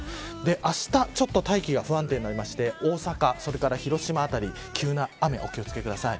あした、ちょっと大気が不安定になりまして大阪、広島辺り、急な雨にお気を付けください。